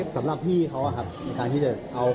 สำหรับพี่เขาครับที่จะเอาของมาเตรียมเป็นยังไงบ้าง